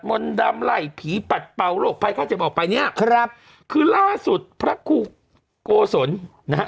มนต์ดำไหล่ผีปัดเป่าโรคภัยไข้เจ็บออกไปเนี้ยครับคือล่าสุดพระครูโกศลนะฮะ